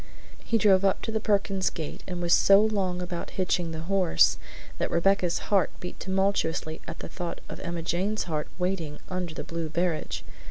He drove up to the Perkins gate and was so long about hitching the horse that Rebecca's heart beat tumultuously at the thought of Emma Jane's heart waiting under the blue barege.